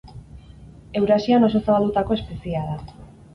Eurasian oso zabaldutako espeziea da.